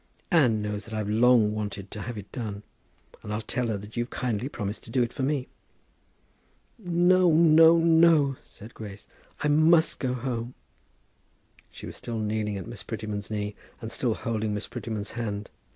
Anne knows that I've long wanted to have it done, and I'll tell her that you've kindly promised to do it for me." "No; no; no," said Grace; "I must go home." She was still kneeling at Miss Prettyman's knee, and still holding Miss Prettyman's hand.